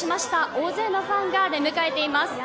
大勢のファンが出迎えています。